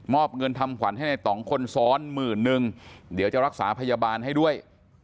มอบเงินทำขวัญให้ใน๒คนซ้อน๑๑๐๐๐เดี๋ยวจะรักษาพยาบาลให้ด้วย